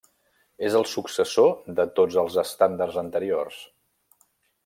És el successor de tots els estàndards anteriors.